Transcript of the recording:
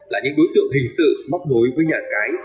là những đối tượng hình sự móc nối với nhà cái